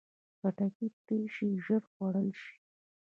خټکی که پرې شي، ژر خوړل شي.